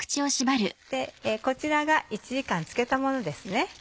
こちらが１時間つけたものです。